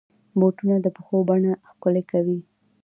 بوټونه د پښو بڼه ښکلي کوي.